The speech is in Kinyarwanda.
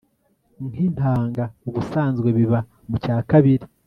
k'intanga, ubusanzwe biba mu cyakabiri